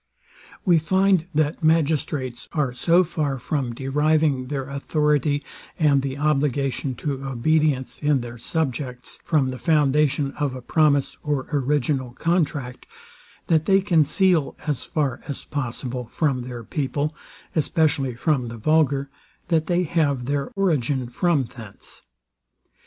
We find, that magistrates are so far from deriving their authority, and the obligation to obedience in their subjects, from the foundation of a promise or original contract, that they conceal, as far as possible, from their people, especially from the vulgar, that they have their origin from thence.